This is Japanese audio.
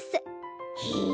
へえ。